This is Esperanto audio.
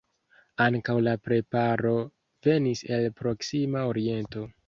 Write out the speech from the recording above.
Ankaŭ la preparo venis el proksima oriento.